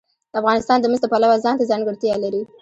افغانستان د مس د پلوه ځانته ځانګړتیا لري.